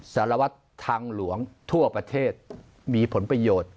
สารวัตรทางหลวงทั่วประเทศมีผลประโยชน์